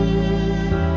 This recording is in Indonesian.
aku mau ke sana